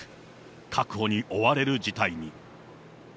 確保に追われる事態に。